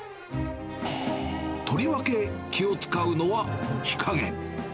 とりわけ気を遣うのは火加減。